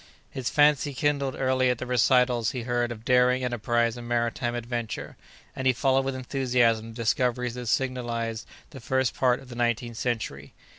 His fancy kindled early at the recitals he read of daring enterprise and maritime adventure, and he followed with enthusiasm the discoveries that signalized the first part of the nineteenth century.